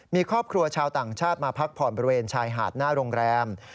มีครอบครัวชาวต่างชาติมาพักผ่อนบริเวณชายหาดหน้าโรงแรม